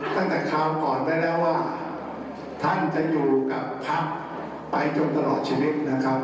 ตั้งแต่คราวก่อนไปแล้วว่าท่านจะอยู่กับพักษ์ไปจนตลอดชีวิต